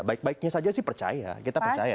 baik baiknya saja sih percaya kita percaya